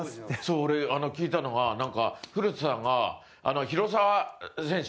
俺、聞いたのは、なんか古田さんが、広澤選手。